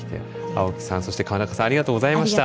青木さんそして川中さんありがとうございました。